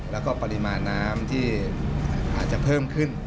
แล้วก็ปริมาณน้ำที่อาจจะเพิ่มขึ้น